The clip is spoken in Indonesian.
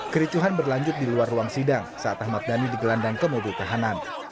kericuhan berlanjut di luar ruang sidang saat ahmad dhani digelandang ke mobil tahanan